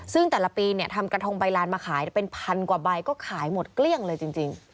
ซึ่งแต่ละปีเนี่ยทำกระทงใบลานมาขายเป็นพันกว่าใบก็ขายหมดเกลี้ยงเลยจริง